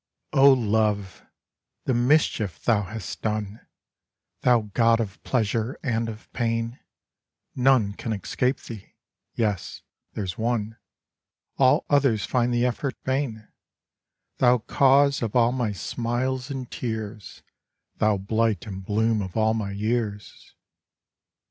LOVE ! the mischief thou hast done ! Thou god of pleasure and of pain ! None can escape thee yes there s one All others find the effort vain : Thou cause of all my smiles and tears ! Thou blight and bloom of all my years ! 70 LINES.